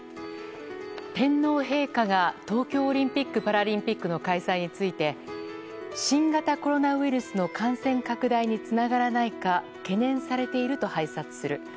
天皇陛下が東京オリンピック・パラリンピックの開催について新型コロナウイルスの感染拡大につながらないか懸念されていると拝察する。